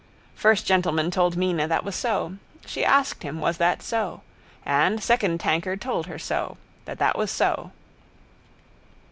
First gentleman told Mina that was so. She asked him was that so. And second tankard told her so. That that was so.